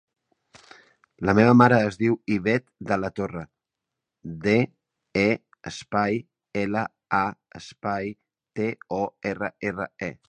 La meva mare es diu Ivet De La Torre: de, e, espai, ela, a, espai, te, o, erra, erra, e.